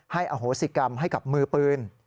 อโหสิกรรมให้กับมือปืน